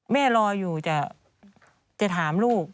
เมื่อรออยู่จะถามลูก